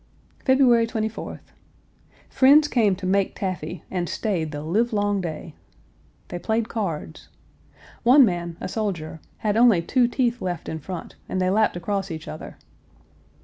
February 24th. Friends came to make taffy and stayed the livelong day. They played cards. One man, a soldier, had only two teeth left in front and they lapped across each other.